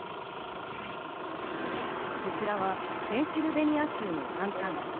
こちらはペンシルベニア州の繁華街。